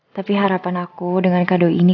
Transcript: tapi harapan aku dengan kado ini